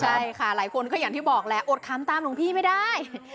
ใช่ค่ะหลายคนก็อย่างที่บอกแหละอดคำตามหลวงพี่ไม่ได้